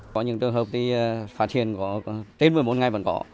có những trường hợp phát triển có tên một mươi bốn ngày vẫn có